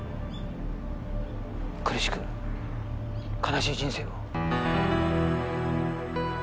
苦しく悲しい人生を。